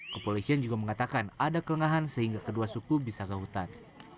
kepolisian juga mengatakan ada kelengahan sehingga kedua suku bisa ke hutan